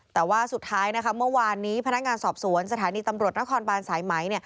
แต่ว่าสุดท้ายนะคะเมื่อวานนี้พนักงานสอบสวนสถานีตำรวจนครบานสายไหม